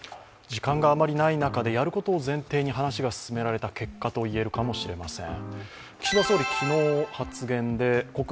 時間があまりない中でやることを前提に話が進められた結果と言えるかもしれません。